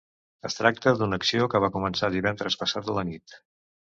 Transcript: Es tracta d’una acció que va començar divendres passat a la nit.